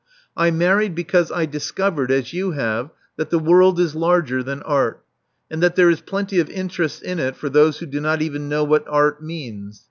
I married because I discovered, as you have, that the world is larger than Art, and that there is plenty of interest in it for those who do not even know what Art means.